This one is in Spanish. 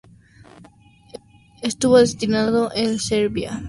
Estuvo destinada en Serbia, Croacia, Grecia, Corfú y Hungría.